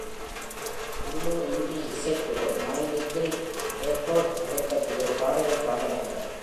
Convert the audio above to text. உள்ளூர் இண்டி இசைக்குழு, my little airport, அதைப் பற்றி ஒரு பாடலை பாடினார்கள்.